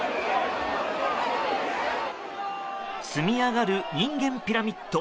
積み上がる人間ピラミッド。